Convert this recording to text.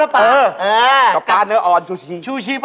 เปรียบ